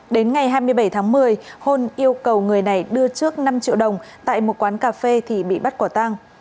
đến ngày hai mươi bảy tháng một mươi hôn yêu cầu người này đưa trước năm triệu đồng tại một quán cà phê thì bị bắt quả tang